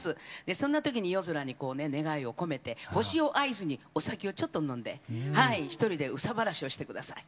そんな時に夜空にこうね願いを込めて星を合図にお酒をちょっと飲んでひとりで憂さ晴らしをして下さい。